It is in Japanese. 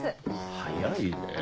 早いねぇ。